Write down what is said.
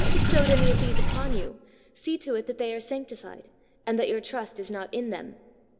bestowed any of these upon you, see to it that they are sanctified, and that your trust is not in them.